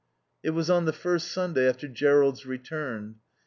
It was on the first Sunday after Jerrold's return.